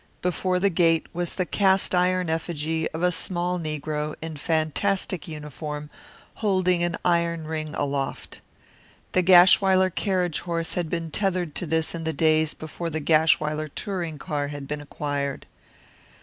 Before the gate was the cast iron effigy of a small Negro in fantastic uniform, holding an iron ring aloft. The Gashwiler carriage horse had been tethered to this in the days before the Gashwiler touring car had been acquired.